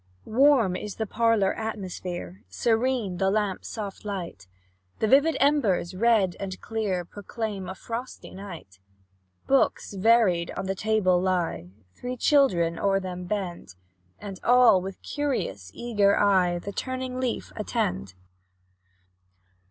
Warm is the parlour atmosphere, Serene the lamp's soft light; The vivid embers, red and clear, Proclaim a frosty night. Books, varied, on the table lie, Three children o'er them bend, And all, with curious, eager eye, The turning leaf attend.